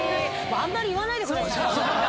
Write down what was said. あんまり言わないでください。